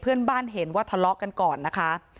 เพื่อนบ้านเห็นว่าทะเลาะกันก่อนนะคะ